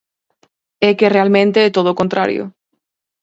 É que realmente é todo o contrario.